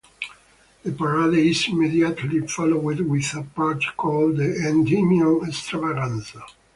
The parade is immediately followed with a party called the "Endymion Extravaganza".